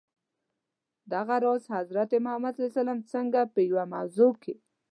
دغه راز، حضرت محمد ص څرنګه په یوه موضوع کي.